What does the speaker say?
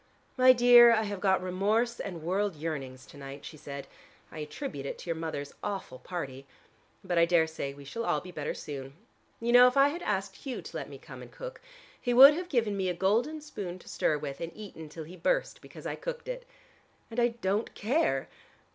"My dear, I have got remorse and world yearnings to night," she said. "I attribute it to your mother's awful party. But I daresay we shall all be better soon. You know, if I had asked Hugh to let me come and cook, he would have given me a golden spoon to stir with, and eaten till he burst because I cooked it. And I don't care!